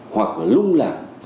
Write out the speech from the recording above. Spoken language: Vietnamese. hoặc lung lạc